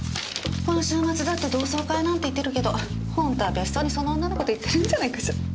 この週末だって同窓会なんて言ってるけどほんとは別荘にその女の子と行ってるんじゃないかしら。